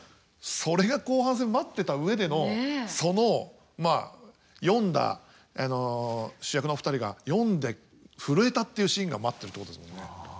それが後半戦待ってた上でのそのまあ読んだ主役の２人が読んで震えたっていうシーンが待ってるってことですもんね。